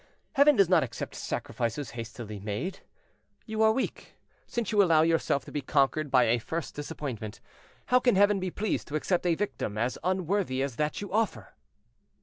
Heaven does not accept sacrifices hastily made. You are weak, since you allow yourself to be conquered by a first disappointment; how can Heaven be pleased to accept a victim as unworthy as that you offer?"